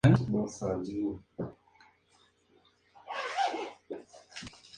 Puede estar hecho de una sola pieza sólida o tener patas.